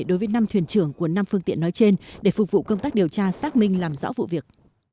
đối với năm thuyền trưởng của năm phương tiện nói trên để phục vụ công tác điều tra xác minh làm rõ vụ việc